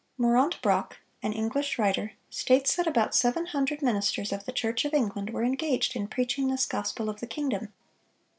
Mourant Brock, an English writer, states that about seven hundred ministers of the Church of England were engaged in preaching this "gospel of the kingdom."